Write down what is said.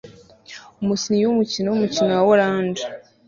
Umukinnyi wumukino wumukino wumukino wa orange